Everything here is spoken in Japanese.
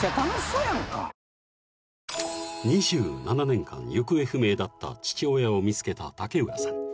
［２７年間行方不明だった父親を見つけた竹浦さん］